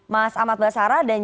mas ahmad basara dan